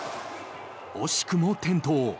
惜しくも転倒。